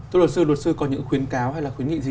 thưa luật sư luật sư có những khuyến cáo hay là khuyến nghị gì